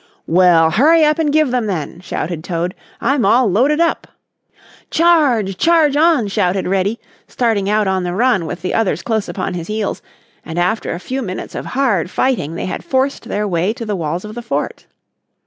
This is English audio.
"Well, hurry up and give them, then!" shouted Toad. "I'm all loaded up." "Charge, charge on!" shouted Reddy, starting out on the run with the others close upon his heels, and after a few minutes of hard fighting they had forced their way to the walls of the fort.